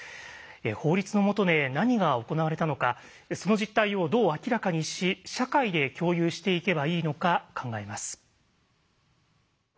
法律の下で何が行われたのかその実態をどう明らかにし社会で共有していけばいいのか考えます。